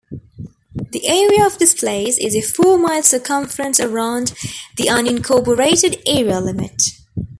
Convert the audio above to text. The area of this place is a four-mile circumference around the unincorporated area limit.